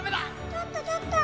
ちょっとちょっと！